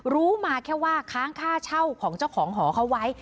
รู้มาแค่ว่าค้างค่าเช่าของเจ้าของหอเขาไว้